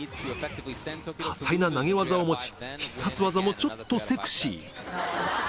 多彩な投げ技を持ち必殺技もちょっとセクシー